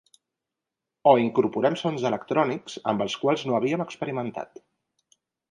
O incorporem sons electrònics, amb els quals no havíem experimentat.